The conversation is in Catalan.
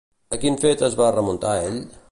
A quin fet es va remuntar ell?